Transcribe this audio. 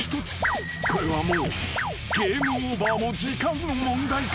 ［これはもうゲームオーバーも時間の問題か？］